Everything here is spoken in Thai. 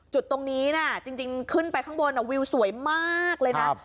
จุดตรงนี้นะจริงขึ้นไปข้างบนวิวสวยมากเลยนะ